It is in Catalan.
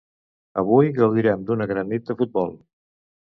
Avui gaudirem d’una gran nit de futbol.